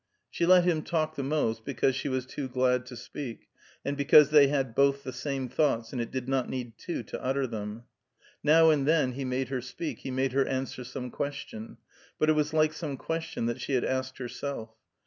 She let him talk the most, because she was too glad to speak, and because they had both the same thoughts, and it did not need two to utter them. Now and then, he made her speak; he made her answer some question; but it was like some question that she had asked herself.